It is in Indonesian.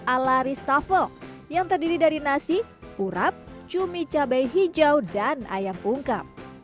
ala restafel yang terdiri dari nasi urap cumi cabai hijau dan ayam ungkap